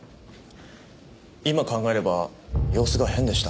今考えれば様子が変でした。